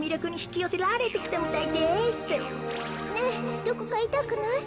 ねえどこかいたくない？